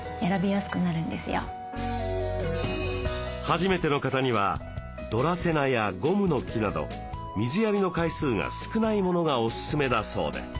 初めての方にはドラセナやゴムノキなど水やりの回数が少ないものがおすすめだそうです。